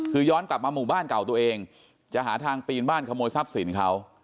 คือย้อนกลับมาหมู่บ้านเก่าตัวเองจะหาทางปีนบ้านขโมยทรัพย์สินเขา